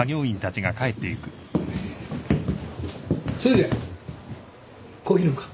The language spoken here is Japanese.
誠治コーヒー飲むか？